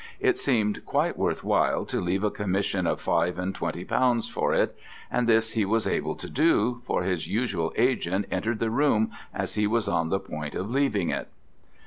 It seemed quite worth while to leave a commission of five and twenty pounds for it, and this he was able to do, for his usual agent entered the room as he was on the point of leaving it.